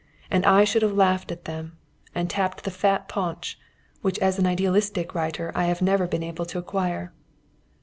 And I should have laughed at them, and tapped the fat paunch, which as an idealistic writer I have never been able to acquire.